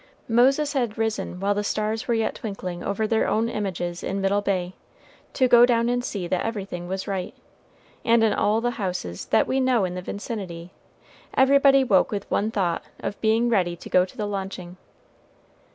Moses had risen while the stars were yet twinkling over their own images in Middle Bay, to go down and see that everything was right; and in all the houses that we know in the vicinity, everybody woke with the one thought of being ready to go to the launching.